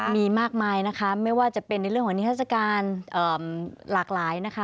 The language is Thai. มีมากมายนะคะไม่ว่าจะเป็นในเรื่องของนิทัศกาลหลากหลายนะคะ